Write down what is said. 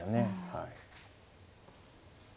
はい。